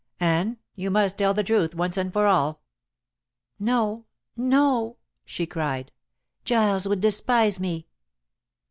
"Anne, you must tell the truth once and for all." "No, no," she cried, "Giles would despise me."